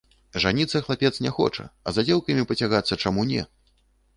Жаніцца хлапец не хоча, а за дзеўкамі пацягацца чаму не!